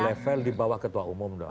level di bawah ketua umum